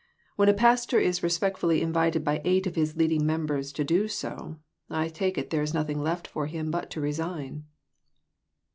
When a pastor is respectfully invited by eight of his leading members to do so, I take it there is nothing left for him but to resign."